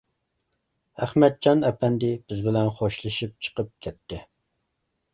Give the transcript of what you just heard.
ئەخمەتجان ئەپەندى بىز بىلەن خوشلىشىپ چىقىپ كەتتى.